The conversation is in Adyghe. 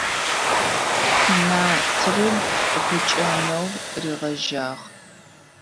Натрыб гъукӀэнэу ригъэжьагъ.